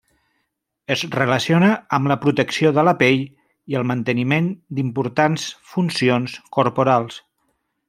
Es relaciona amb la protecció de la pell i el manteniment d'importants funcions corporals.